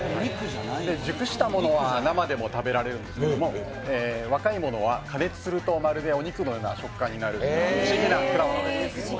熟したものは生でも食べられるんですけども、若いものは加熱するとまるでお肉のような食感になる不思議な果物です。